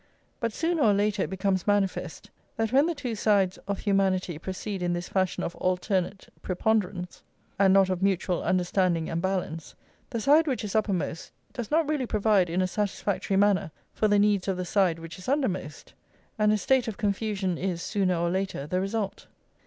But sooner or later it becomes manifest that when the two sides of humanity proceed in this fashion of alternate preponderance, and not of mutual understanding and balance, the side which is uppermost does not really provide in a satisfactory manner for the needs of the side which is undermost, and a state of confusion is, sooner or later, the result.